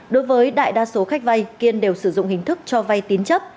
đối với đại đa số khách vay kiên đều sử dụng hình thức cho vay tín chấp